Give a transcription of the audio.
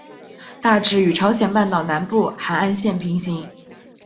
大致与朝鲜半岛南部海岸线平行。